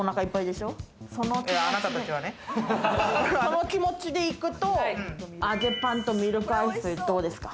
今さ、あなたたちはね。この気持ちで行くと揚げパンとミルクアイス、どうですか？